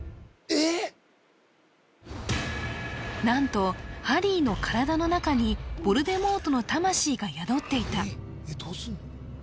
何とハリーの体の中にヴォルデモートの魂が宿っていた